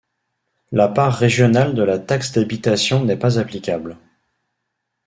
La part régionale de la taxe d'habitation n'est pas applicable.